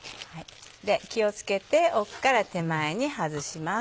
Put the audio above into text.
気を付けて奥から手前に外します。